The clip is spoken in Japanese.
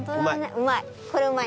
うまい。